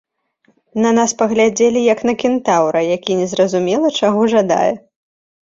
На нас паглядзелі як на кентаўра, які не зразумела чаго жадае.